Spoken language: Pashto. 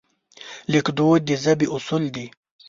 لیکدود د ژبې اصول دي.